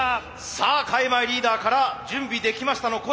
さあ開米リーダーから「準備できました」の声。